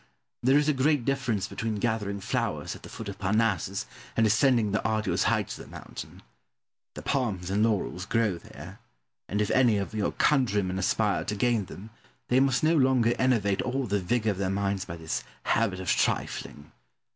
There is a great difference between gathering flowers at the foot of Parnassus and ascending the arduous heights of the mountain. The palms and laurels grow there, and if any of your countrymen aspire to gain them, they must no longer enervate all the vigour of their minds by this habit of trifling.